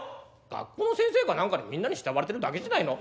「学校の先生か何かでみんなに慕われてるだけじゃないの？」。